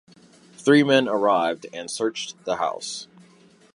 Three men arrived and searched the house.